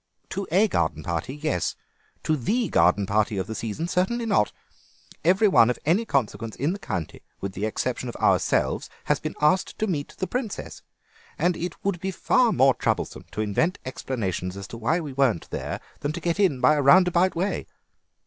"To a garden party, yes; to the garden party of the season, certainly not. Every one of any consequence in the county, with the exception of ourselves, has been asked to meet the Princess, and it would be far more troublesome to invent explanations as to why we weren't there than to get in by a roundabout way.